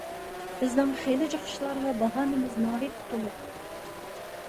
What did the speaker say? بىزنىڭ خېلى جىق ئىشلارغا باھانىمىز ناھايىتى تولۇق.